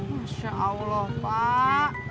masya allah pak